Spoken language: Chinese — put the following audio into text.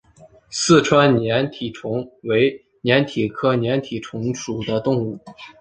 四川粘体虫为粘体科粘体虫属的动物。